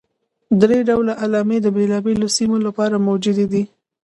درې ډوله علامې د بېلابېلو سیمو لپاره موجودې دي.